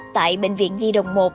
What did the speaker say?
tại bệnh viện di đồng một